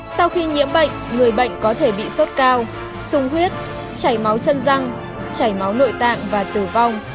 sau khi nhiễm bệnh người bệnh có thể bị sốt cao sung huyết chảy máu chân răng chảy máu nội tạng và tử vong